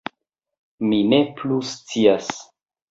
Mi ne plu scias